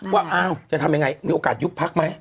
ว่าอ้าวจะทำยังไงมีโอกาสยุบพักไหม